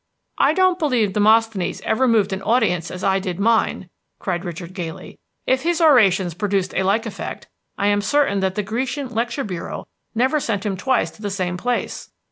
"I don't believe Demosthenes ever moved an audience as I did mine!" cried Richard gaily. "If his orations produced a like effect, I am certain that the Grecian lecture bureau never sent him twice to the same place."